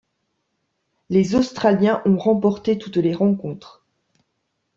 Les Australiens ont remporté toutes les rencontres.